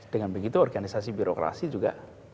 dengan begitu organisasi birokrasi juga